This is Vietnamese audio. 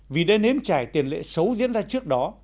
vì đã nếm trải tiền lệ xấu diễn ra trước đó